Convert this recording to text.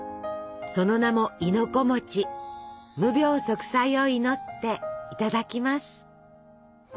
その名も無病息災を祈っていただきます。